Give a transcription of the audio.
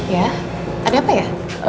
ya ada apa ya